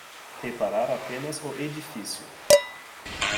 Reparar apenas o edifício